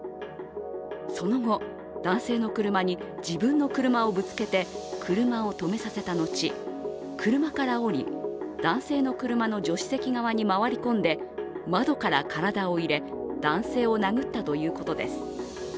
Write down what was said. その後、男性の車に自分の車をぶつけて車を止めさせた後、車から降り、男性の車の助手席側に回り込んで窓から体を入れ、男性を殴ったということです。